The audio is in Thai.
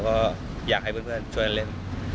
ก็อยากให้เพื่อนช่วยเล่น